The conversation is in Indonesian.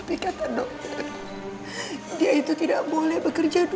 kalau bapak kau tidak bisa bekerja